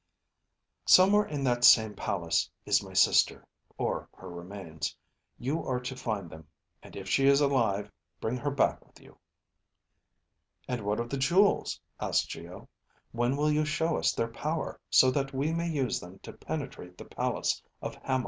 "Somewhere in that same palace is my sister, or her remains. You are to find them, and if she is alive, bring her back with you." "And what of the jewels?" asked Geo. "When will you show us their power so that we may use them to penetrate the palace of Hama?"